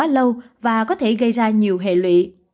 lâu và có thể gây ra nhiều hệ lụy